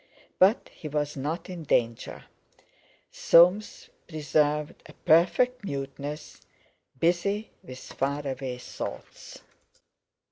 But he was not in danger. Soames preserved a perfect muteness, busy with far away thoughts.